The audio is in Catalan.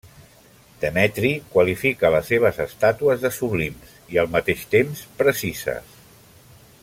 Demetri qualifica les seves estàtues de sublims, i al mateix temps precises.